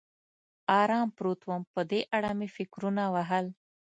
ارام پروت ووم، په دې اړه مې فکرونه وهل.